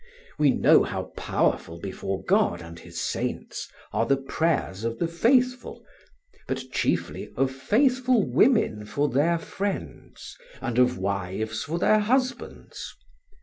We know how powerful before God and his saints are the prayers of the faithful, but chiefly of faithful women for their friends, and of wives for their husbands.